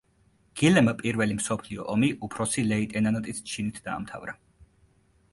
გილემ პირველი მსოფლიო ომი უფროსი ლეიტენანტის ჩინით დაამთავრა.